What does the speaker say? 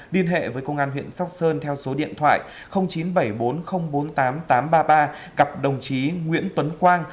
điên hệ với công an huyện sóc sơn theo số điện thoại chín bảy bốn không bốn tám tám ba ba gặp đồng chí nguyễn tuấn quang